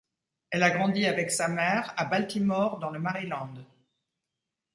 Elle a grandi avec sa mère à Baltimore dans le Maryland.